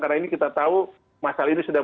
karena ini kita tahu masalah ini sudah